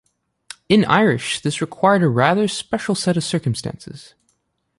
In Irish this required a rather special set of circumstances.